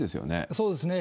そうですね。